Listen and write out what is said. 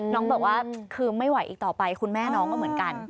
น้องบอกว่าคือไม่ไหวอีกต่อไปคุณแม่น้องก็เหมือนกัน